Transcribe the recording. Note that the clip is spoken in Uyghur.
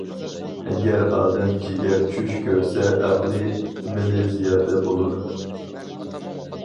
ئەگەر ئادەم جىگەر چۈش كۆرسە ئەقلى، مىلى زىيادە بولۇر.